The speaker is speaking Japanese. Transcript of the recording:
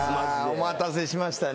お待たせしました。